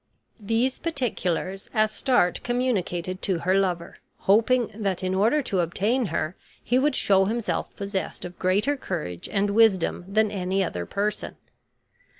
These particulars Astarte communicated to her lover, hoping that in order to obtain her he would show himself possessed of greater courage and wisdom than any other person.